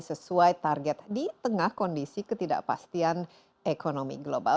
sesuai target di tengah kondisi ketidakpastian ekonomi global